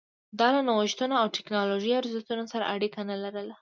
دا له نوښتونو او ټکنالوژۍ ارزښتونو سره اړیکه نه لرله